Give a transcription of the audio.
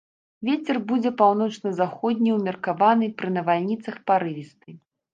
Вецер будзе паўночна-заходні ўмеркаваны, пры навальніцах парывісты.